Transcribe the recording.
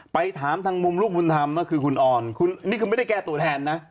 ไปถามทางมุมลูกบุญธรรมก็คือคุณออนนี่คือไม่ได้แก้ตัวแทนนะ